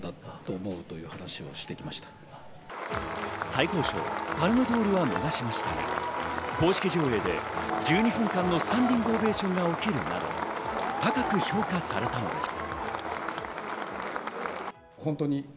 最高賞のパルムドールは逃しましたが、公式上映で１２分間のスタンディングオベーションが起きるなど高く評価されたのです。